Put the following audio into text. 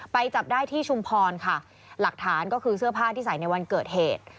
จับได้ที่ชุมพรค่ะหลักฐานก็คือเสื้อผ้าที่ใส่ในวันเกิดเหตุ